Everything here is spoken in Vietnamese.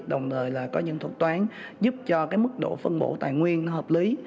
đồng thời là có những thuật toán giúp cho cái mức độ phân bổ tài nguyên hợp lý